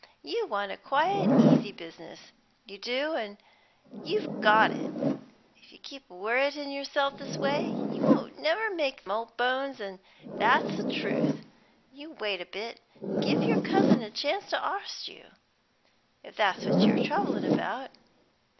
You want a quiet, easy business, you do, an' you've got it. If you keep worritin' yerself this way, you won't never make old bones, an' that's the truth. You wait a bit, an' give yer cousin a chance to arst you, if that's what you're troublin' about."